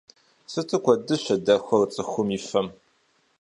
Сыту куэдыщэ дэхуэрэ цӏыхум и фэм…